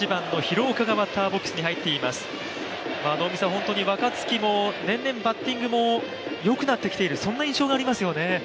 本当に若月も年々、バッティングもよくなってきている、そんな印象がありますよね。